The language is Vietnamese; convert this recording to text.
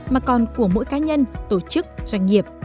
mà còn của mỗi cá nhân tổ chức doanh nghiệp